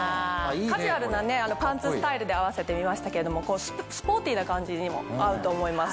カジュアルなパンツスタイルで合わせてみましたけれどもスポーティーな感じにも合うと思います。